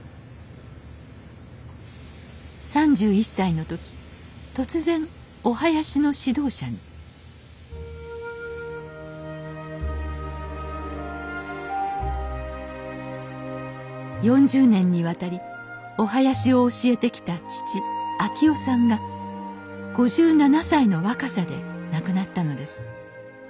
３１歳の時突然お囃子の指導者に４０年にわたりお囃子を教えてきた父昭男さんが５７歳の若さで亡くなったのです。